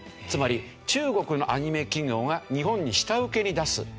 つまり中国のアニメ企業が日本に下請けに出す。